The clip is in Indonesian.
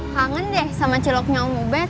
kangen deh sama celoknya om ubed